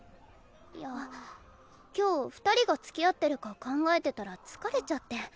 いや今日二人がつきあってるか考えてたら疲れちゃって。